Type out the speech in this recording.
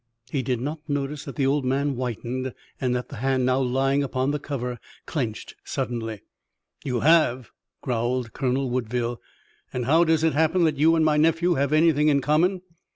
He did not notice that the old man whitened and that the hand now lying upon the cover clenched suddenly. "You have?" growled Colonel Woodville, "and how does it happen that you and my nephew have anything in common?"